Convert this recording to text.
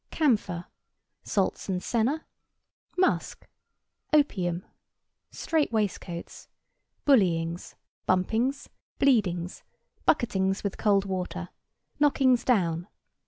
Camphor. Salts and senna. Musk. Opium. Strait waistcoats. Bullyings. Bumpings. Bleedings. Bucketings with cold water. Knockings down.